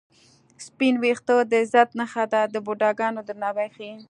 سپین وېښته د عزت نښه ده د بوډاګانو درناوی ښيي